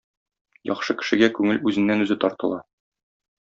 Яхшы кешегә күңел үзеннән үзе тартыла.